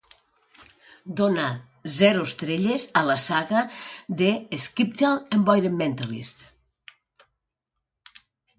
Donar zero estrelles a la saga "The Skeptical Environmentalist".